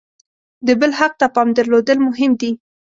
د بل حق ته پام درلودل مهم دي.